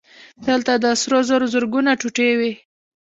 دلته د سرو زرو زرګونه ټوټې وې